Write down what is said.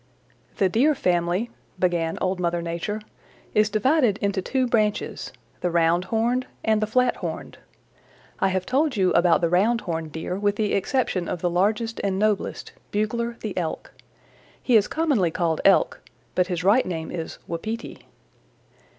"The Deer family," began Old Mother Nature, "is divided into two branches the round horned and the flat horned. I have told you about the round horned Deer with the exception of the largest and noblest, Bugler the Elk. He is commonly called Elk, but his right name is Wapiti.